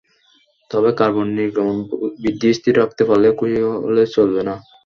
তবে কার্বন নির্গমন বৃদ্ধি স্থির রাখতে পারলেই খুশি হলে চলবে না।